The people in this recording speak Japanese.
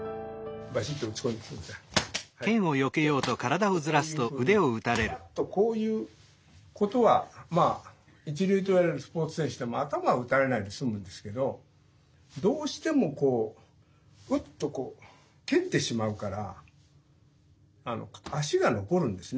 おっとこういうふうにバッとこういうことはまあ一流といわれるスポーツ選手って頭を打たれないで済むんですけどどうしてもこうウッと蹴ってしまうから足が残るんですね。